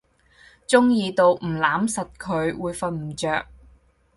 中意到唔攬實佢會瞓唔著